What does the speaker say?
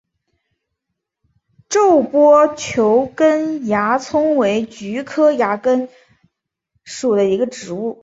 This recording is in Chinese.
皱波球根鸦葱为菊科鸦葱属的植物。